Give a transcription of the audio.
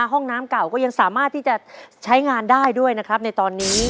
ห้องน้ำเก่าก็ยังสามารถที่จะใช้งานได้ด้วยนะครับในตอนนี้